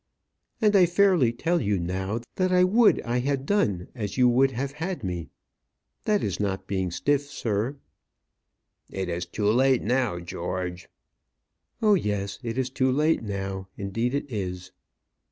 "And I fairly tell you now, that I would I had done as you would have had me. That is not being stiff, sir." "It is too late now, George." "Oh, yes, it is too late now; indeed it is."